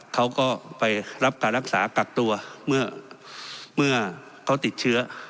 เขาก็ไปรับการรักษากักตัวเมื่อเขาติดเชื้อ